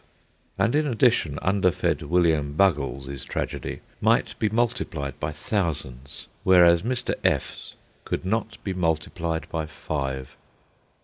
And in addition, underfed William Buggles' tragedy might be multiplied by thousands where Mr. F 's could not be multiplied by five.